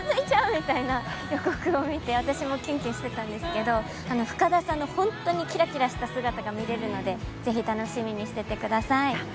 みたいな、予告を見て私もキュンキュンしてたんですけれども、深田さんの本当にキラキラした姿が見れるので、ぜひ楽しみにしてください。